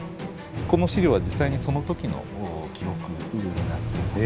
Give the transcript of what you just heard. この資料は実際にその時の記録になっています。